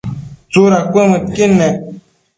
tsuda cuëmëdqui nec?